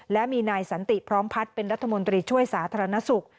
และมีนายสันติพร้อมพัฒน์เป็นรัฐมนตรีช่วยสาธารณสุข